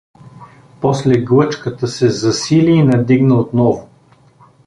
После глъчката се засили и надигна отново.